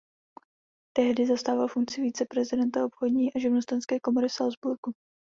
Tehdy zastával funkci viceprezidenta obchodní a živnostenské komory v Salzburgu.